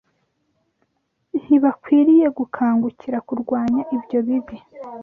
ntibakwiriye gukangukira kurwanya ibyo bibi